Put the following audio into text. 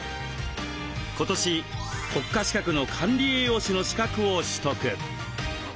今年国家資格の管理栄養士の資格を取得。